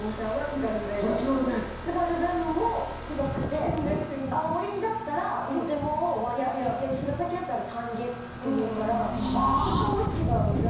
津軽弁も違くて青森市だったら「とても」を「わや」って言うけど弘前だったら「たんげ」って言うからここも違うし。